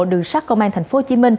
đường sát công an tp hcm